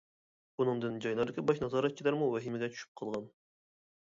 بۇنىڭدىن جايلاردىكى باش نازارەتچىلەرمۇ ۋەھىمىگە چۈشۈپ قالغان.